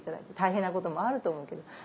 大変なこともあると思うけど。